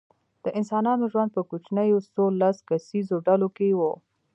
د انسانانو ژوند په کوچنیو څو لس کسیزو ډلو کې و.